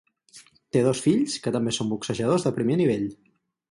Té dos fills que també son boxejadors de primer nivell.